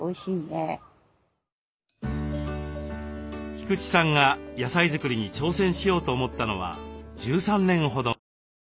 菊池さんが野菜作りに挑戦しようと思ったのは１３年ほど前。